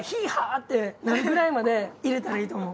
ってなるぐらいまで入れたらいいと思う。